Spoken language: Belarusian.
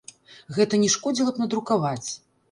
Гэта не шкодзіла б надрукаваць.